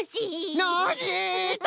ノージーっと。